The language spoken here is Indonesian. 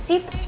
siapa sih cu